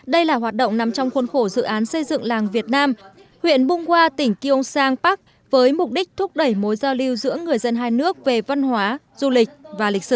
đây là hoạt động nằm trong khuôn khổ dự án xây dựng làng việt nam huyện bung hoa tỉnh kiêung sang bắc với mục đích thúc đẩy mối giao lưu giữa người dân hai nước về văn hóa du lịch và lịch sử